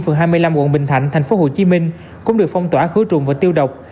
phường hai mươi năm quận bình thạnh thành phố hồ chí minh cũng được phong tỏa khứa trùng và tiêu độc